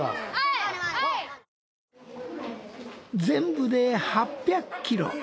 全部で８００キロ。